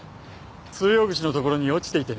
通用口のところに落ちていてね。